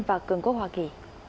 và cường quốc hoa kỳ